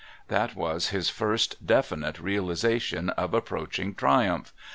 That was his first definite realisation of approaching triumph.